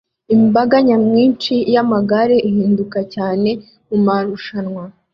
Imbaga nyamwinshi yamagare ihindura cyane mumarushanwa